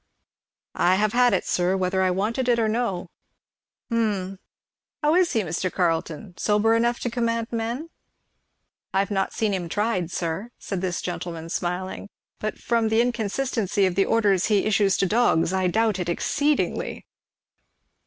"I have had it sir, whether I wanted it or no." "Hum! How is he, Mr. Carleton? sober enough to command men?" "I have not seen him tried, sir," said this gentleman smiling; "but from tho inconsistency of the orders he issues to his dogs I doubt it exceedingly."